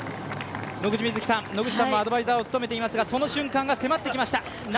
野口みずきさんもアドバイザーを務めていますが、その瞬間が近づいてきました。